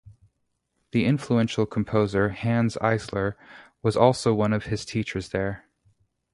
The influential composer Hanns Eisler was also one of his teachers there.